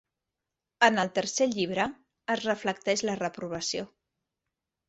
En el tercer Llibre es reflecteix la reprovació.